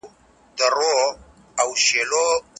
املا د حافظې لپاره لاره ده.